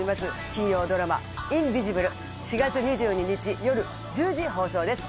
金曜ドラマ「インビジブル」４月２２日夜１０時放送です